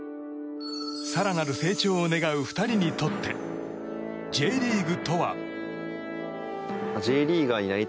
更なる成長を願う２人にとってＪリーグとは。